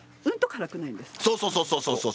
そうそうそう。